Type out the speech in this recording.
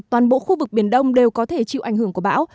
toàn bộ khu vực biển đông đều có thể chịu ảnh hưởng của bão